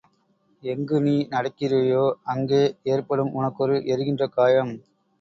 எங்கு நீ நடக்கிறாயோ அங்கே ஏற்படும் உனக்கொரு எரிகின்ற காயம்.